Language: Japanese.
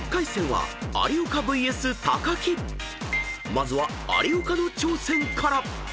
［まずは有岡の挑戦から］